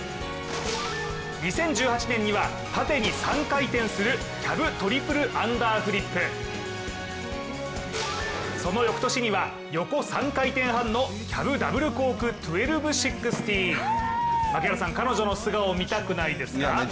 ２０１８年には縦に３回転するキャブ・トリプルアンダーフリップ、その翌年には横３回転半のキャブ・ダブルコーク・トゥエルブシックスティ彼女の素顔、見たくないですか？